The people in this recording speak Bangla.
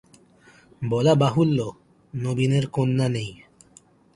বলা বাহুল্য, নবীনের কন্যা নেই।